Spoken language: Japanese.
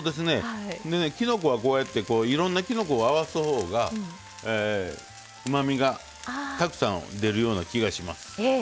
きのこはこうやっていろんなきのこを合わすほうがうまみがたくさん出るような気がします。